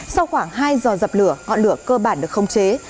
sau khoảng hai giờ dập lửa ngọn lửa cơ bản được không chế